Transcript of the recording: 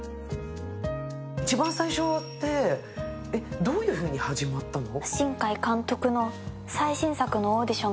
いちばん最初ってどういうふうに始まったの？